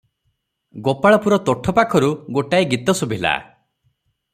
ଗୋପାଳପୁର ତୋଠପାଖରୁ ଗୋଟାଏ ଗୀତ ଶୁଭିଲା -